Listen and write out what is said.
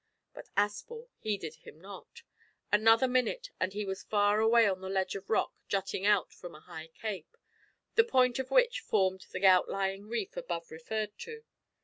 But Aspel heeded him not. Another minute and he was far away on the ledge of rock jutting out from a high cape the point of which formed the outlying reef above referred to.